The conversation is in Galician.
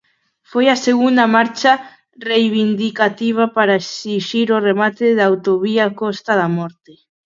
Foi a segunda marcha reivindicativa para esixir o remate da autovía Costa da Morte.